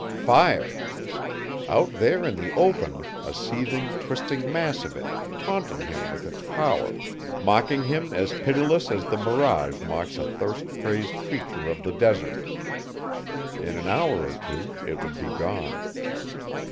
Fire! Out there in the open a seething, twisting mass of it, taunting him with its power, mocking him as pitiless as the mirage mocks a thirst crazed creature of the desert. In an hour or two it would be gone.